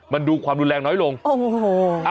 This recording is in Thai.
มันดูความรุนแรงน้อยลงโอ้โห